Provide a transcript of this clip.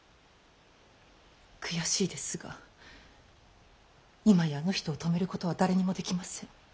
悔しいですが今やあの人を止めることは誰にもできません。